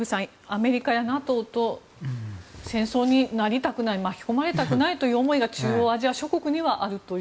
アメリカやＮＡＴＯと戦争になりたくない巻き込まれたくないという思いが中央アジア諸国にはあると。